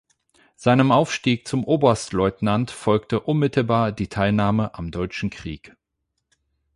Seinem Aufstieg zum Oberstleutnant folgte unmittelbar die Teilnahme am Deutschen Krieg.